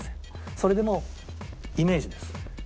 それでもイメージです。